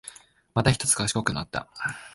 またひとつ賢くなった